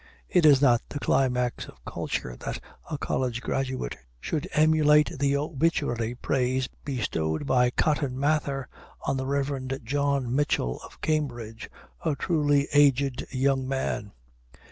It is not the climax of culture that a college graduate should emulate the obituary praise bestowed by Cotton Mather on the Rev. John Mitchell of Cambridge, "a truly aged young man."